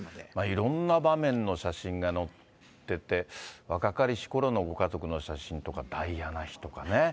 いろんな場面の写真が載ってて、若かりしころのご家族の写真とか、ダイアナ妃とかね。